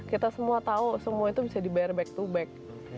kita semua tahu semua itu bisa dibayar back to back